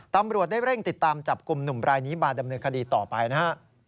ตำรวจได้เร่งติดตามจับกลุ่มหนุ่มรายนี้มาดำเนินคดีต่อไปนะฮะ